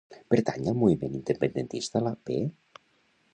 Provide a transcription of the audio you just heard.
Pertany al moviment independentista la Pe?